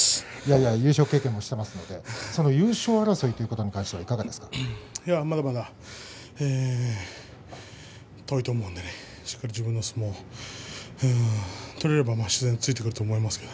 優勝経験もしていますのでまだまだ遠いと思うのでしっかり自分の相撲を取れれば自然についてくると思います。